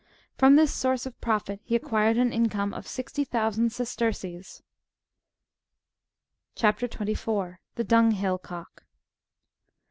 Prom this source of profit he acquired an income of sixty thousand sesterces.''^ CHAP. 24. (21.) — THE DUNGHILL COCK.